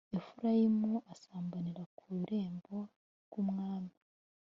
Efurayimu asambanira kururembo rwumwami